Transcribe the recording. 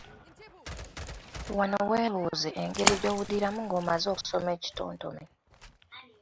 Wano weebuuze engeri gy’owuliramu ng’omaze okusoma ekitontome.